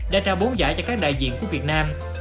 đã trao bốn giải cho các đại diện của việt nam